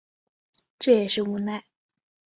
这也是无奈